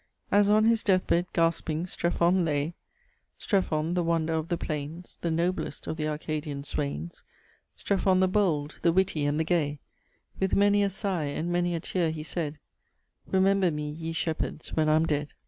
_ 1 As on his death bed, gasping, Strephon lay, Strephon, the wonder of the plaines, The noblest of th' Arcadian swaines, Strephon, the bold, the witty, and the gay, With many a sigh, and many a teare, he said, 'Remember me, ye shepheards, when I'me dead.